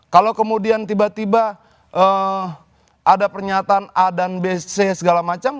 kalau kemudian tiba tiba ada pernyataan a dan b c segala macam